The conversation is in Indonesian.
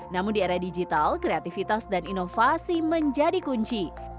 namun di era digital kreativitas dan inovasi menjadi kunci